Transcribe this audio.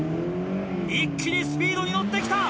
一気にスピードにのって来た！